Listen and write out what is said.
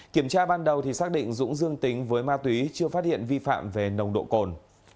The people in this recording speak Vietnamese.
kiểm tra ban đầu thì xác định dũng dương tính với ma túy chưa phát hiện vi phạm về nồng độ cồn